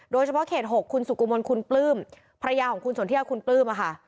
เฉพาะเขต๖คุณสุกุมลคุณปลื้มภรรยาของคุณสนทิยาคุณปลื้มค่ะ